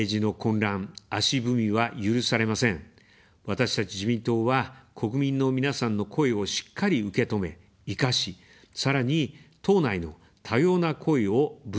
私たち自民党は、国民の皆さんの声をしっかり受け止め、活かし、さらに、党内の多様な声をぶつけ合います。